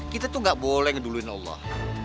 kita tuh gak boleh ngeduluin allah